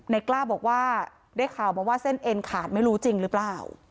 กล้าบอกว่าได้ข่าวมาว่าเส้นเอ็นขาดไม่รู้จริงหรือเปล่า